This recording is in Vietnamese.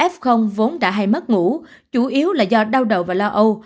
f vốn đã hay mất ngủ chủ yếu là do đau đầu và lo âu